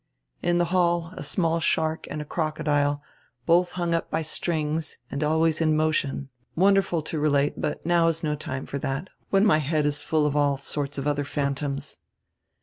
In the hall a small shark and a crocodile, both hung up by strings and always in motion, wonderful to relate, but now is no time for diat, when my head is full of all sorts of other phantoms."